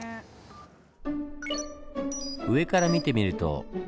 上から見てみると。